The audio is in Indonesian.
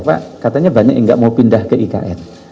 pak katanya banyak yang nggak mau pindah ke ikn